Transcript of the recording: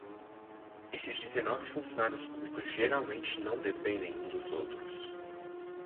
Esses dezenove funcionários públicos geralmente não dependem uns dos outros.